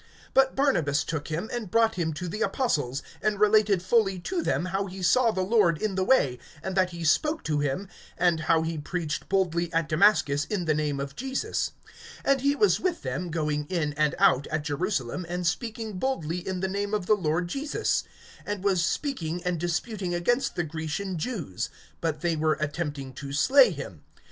(27)But Barnabas took him, and brought him to the apostles, and related fully to them how he saw the Lord in the way, and that he spoke to him, and how he preached boldly at Damascus in the name of Jesus. (28)And he was with them, going in and out at Jerusalem, (29)and speaking boldly in the name of the Lord Jesus; and was speaking and disputing against the Grecian Jews; but they were attempting to slay him.